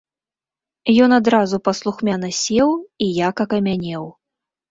Ён адразу паслухмяна сеў і як акамянеў.